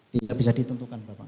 tidak bisa ditentukan bapak